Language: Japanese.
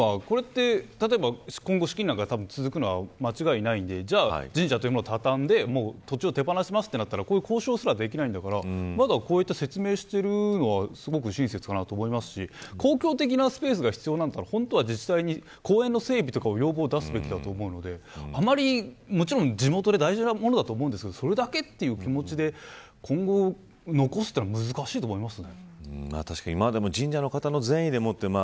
今後資金難が続くのは間違いないので神社をたたんで、土地を手放しますとなったら交渉すらできないんだからまだこうやって説明しているのはすごく親切かなと思いますし公共的なスペースが必要なのであれば本当は自治体に公園の整備とかを要望出すべきだと思うので地元で大事なものだと思いますがそれだけという気持ちで今後残すのは難しいと思います。